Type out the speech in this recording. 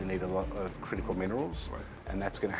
yang jelas adalah